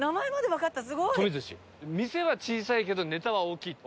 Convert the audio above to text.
店は小さいけどネタは大きいって。